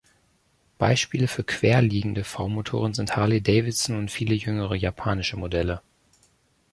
Beispiele für „quer“ liegende V-Motoren sind Harley-Davidson und viele jüngere japanische Modelle.